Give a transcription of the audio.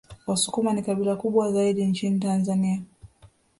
Wasukuma ni kabila kubwa zaidi nchini Tanzania